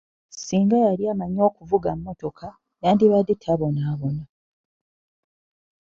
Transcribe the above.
Singa yali amanyi okuvuga mmotoka, yandibadde tabonabona.